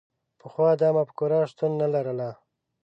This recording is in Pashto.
پخوا دا مفکوره شتون نه لرله.